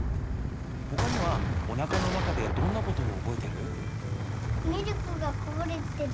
他にはおなかの中でどんなことを覚えてる？